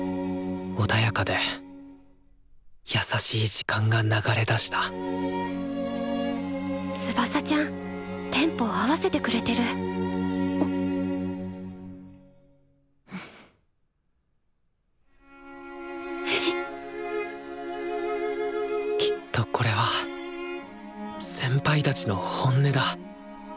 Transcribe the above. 穏やかでやさしい時間が流れだした翼ちゃんテンポ合わせてくれてるきっとこれは先輩たちの本音だ。